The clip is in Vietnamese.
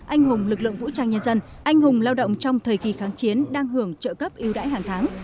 anh hùng lực lượng vũ trang nhân dân anh hùng lao động trong thời kỳ kháng chiến đang hưởng trợ cấp yêu đãi hàng tháng